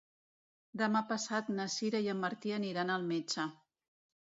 Demà passat na Sira i en Martí aniran al metge.